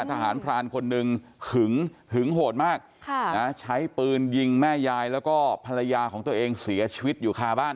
ทหารพรานคนหนึ่งหึงหึงโหดมากใช้ปืนยิงแม่ยายแล้วก็ภรรยาของตัวเองเสียชีวิตอยู่คาบ้าน